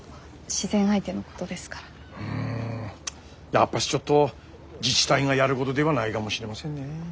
やっぱしちょっと自治体がやるごどではないがもしれませんね。